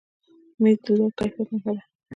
مېز د لوړ کیفیت نښه ده.